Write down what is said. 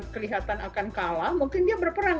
kelihatan akan kalah mungkin dia berperang